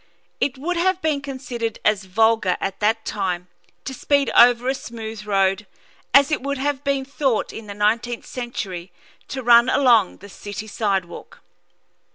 It would have been considered as vulgar at that time to speed over a smooth road as it would have been thought in the nineteenth century to run along the city sidewalk.